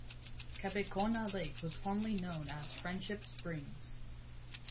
Kabekona Lake was formerly known as "Friendship Springs".